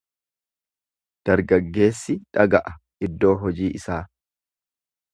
Dargaggeessi dhaga'a iddoo hojii isaa.